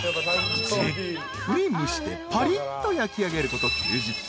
［じっくり蒸してぱりっと焼きあげること９０分］